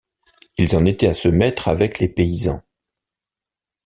Ils en étaient à se mettre avec les paysans.